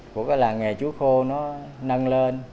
của cái làng nghề chuối khô nó nâng lên